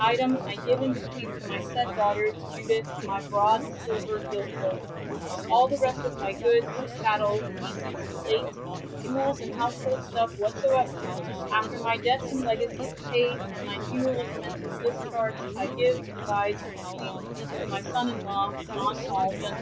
Item, I gyve and bequeath to my saied daughter Judith my broad silver gilt bole. All the rest of my goodes, chattel, leases, plate, jewels, and household stuffe whatsoever, after my dettes and legasies paied, and my funerall expenses dischardged, I give, devise, and bequeath to my sonne in lawe, John Hall gent.